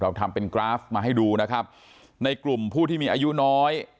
ทำเป็นกราฟมาให้ดูนะครับในกลุ่มผู้ที่มีอายุน้อย